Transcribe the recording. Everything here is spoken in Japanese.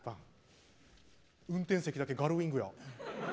運転席だけガルウィングや。